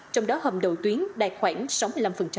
trong đó hầm đầu tuyến đạt khoảng sáu mươi năm